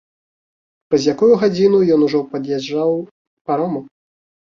Праз якую гадзіну ён ужо пад'язджаў к парому.